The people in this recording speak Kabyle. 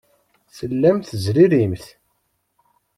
Tellamt tezririmt.